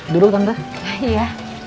dulu gambar iya